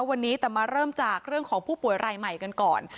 วันนี้แต่มาเริ่มจากเรื่องของผู้ป่วยรายใหม่กันก่อน